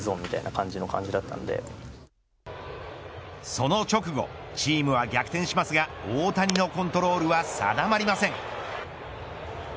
その直後チームは逆転しますが大谷のコントロールは定まりません。